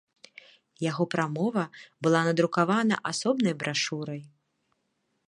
Яго прамова была надрукавана асобнай брашурай.